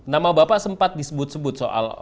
nama bapak sempat disebut sebut soal